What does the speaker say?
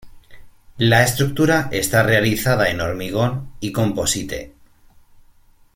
La estructura está realizada en hormigón y composite.